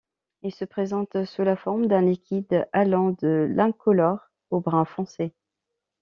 Il se présente sous la forme d'un liquide allant de l’incolore au brun foncé.